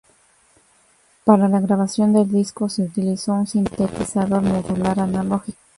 Para la grabación del disco se utilizó un sintetizador modular analógico.